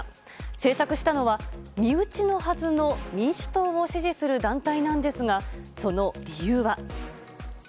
制作したのは身内のはずの民主党を支持する団体なんですがその理由は。